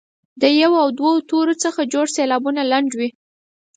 له یو او دوو تورو څخه جوړ سېلابونه لنډ وي.